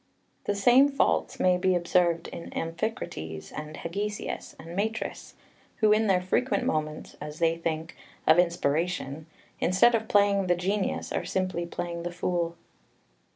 The same faults may be observed in Amphicrates and Hegesias and Matris, who in their frequent moments (as they think) of inspiration, instead of playing the genius are simply playing the fool.